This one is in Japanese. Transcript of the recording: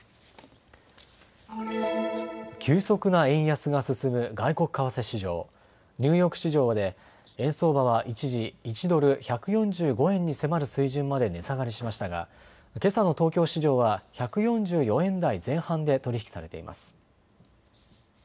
急速な円安が進む外国為替市場、ニューヨーク市場で円相場は一時、１ドル１４５円に迫る水準まで値下がりしましたがけさの東京市場は１４４円台前半で取り引きされています。